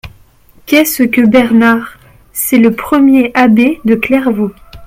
Qu'est-ce que Bernard ? c'est le premier abbé de Clairvaux.